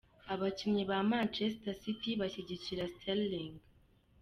Abakinnyi ba Manchester City bashyigikira Sterling.